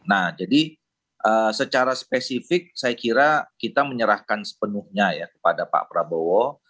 nah jadi secara spesifik saya kira kita menyerahkan sepenuhnya ya kepada pak prabowo